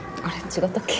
違ったっけ。